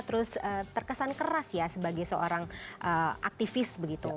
terus terkesan keras ya sebagai seorang aktivis begitu